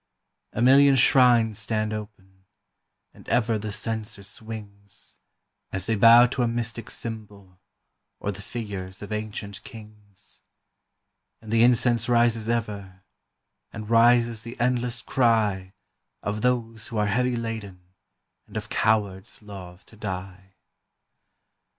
A million shrines stand open, and ever the censer swings, As they bow to a mystic symbol, or the figures of ancient kings; And the incense rises ever, and rises the endless cry Of those who are heavy laden, and of cowards loth to die.